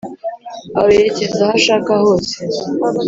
Awerekeza aho ashaka hose